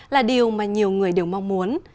là điều mà nhiều người đều mong muốn